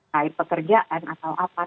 kait pekerjaan atau apa